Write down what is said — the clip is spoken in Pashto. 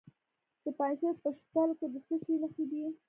د پنجشیر په شتل کې د څه شي نښې دي؟